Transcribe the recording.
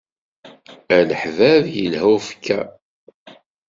Ar leḥbab ilha ufekkeṛ.